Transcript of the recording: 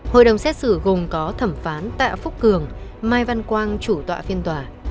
hội đồng xét xử gồm có thẩm phán tạ phúc cường mai văn quang chủ tọa phiên tòa